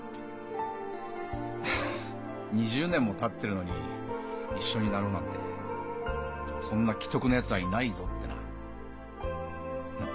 ハハッ２０年もたってるのに一緒になろうなんてそんな奇特なやつはいないぞってな。